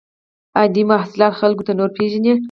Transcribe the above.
آیا دوی محصولات خلکو ته نه ورپېژني؟